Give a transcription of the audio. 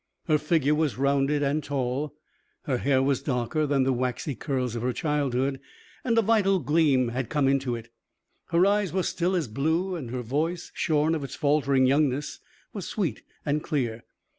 Her figure was rounded and tall. Her hair was darker than the waxy curls of her childhood, and a vital gleam had come into it. Her eyes were still as blue and her voice, shorn of its faltering youngness, was sweet and clear.